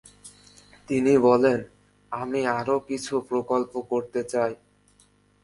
তিনি বলেন, আমি আরও কিছু প্রকল্প করতে চাই।